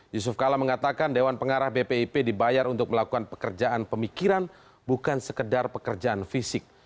yusuf kala mengatakan dewan pengarah bpip dibayar untuk melakukan pekerjaan pemikiran bukan sekedar pekerjaan fisik